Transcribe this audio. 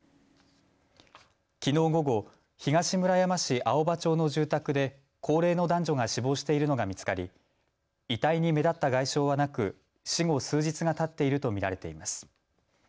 きのう午後東村山市青葉町の住宅で高齢の男女が死亡しているのが見つかり遺体に目立った外傷はなく死後数日がたっていると見られています。